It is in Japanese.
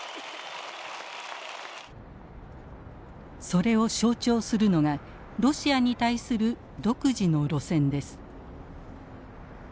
それを象徴するのがロシアに対する独自の路線です。